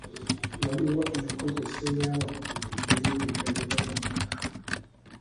Waliwo enkozesa eya waggulu ey'ebintu ebiva mu mata.